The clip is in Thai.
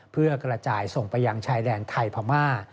เพื่อกระจายส่งไปอังไทยแลนด์ไทยพามา